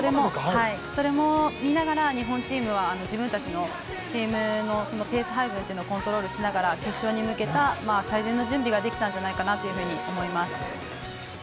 それも見ながら日本チームは自分たちのチームのペース配分をコントロールしながら決勝に向けた最善の準備ができたんじゃないかなと思います。